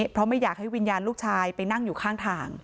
เพราะไม่อยากให้วิญญาณลูกชายไปนั่งอยู่ข้างทาง